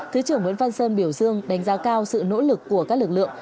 thứ trưởng nguyễn văn sơn biểu dương đánh giá cao sự nỗ lực của các lực lượng